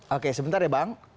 oke sebentar ya bang